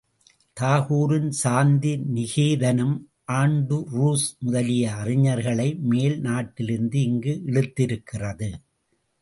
தாகூரின் சாந்தி நிகேதனம், ஆண்டுரூஸ் முதலிய அறிஞர்களை மேல் நாட்டிலிருந்து இங்கு இழுத்திருக்கிறது.